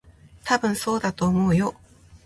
たぶん、そうだと思うよ。